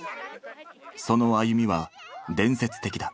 その歩みは伝説的だ。